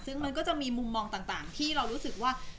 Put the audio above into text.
ซึ่งมันก็จะมีมุมมองต่างที่เรารู้สึกว่า